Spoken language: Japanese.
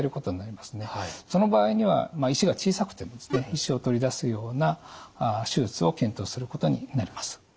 その場合には石が小さくても石を取り出すような手術を検討することになります。